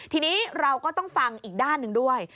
ทีนี้เราก็ต้องฟังอีกด้านหนึ่งด้วย